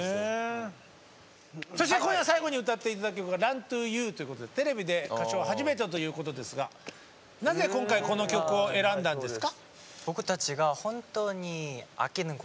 そして今夜最後に歌っていただく曲が「ＲｕｎｔｏＹｏｕ」ということでテレビで歌唱は初めてだということですがなぜ今回この曲を選んだんですか？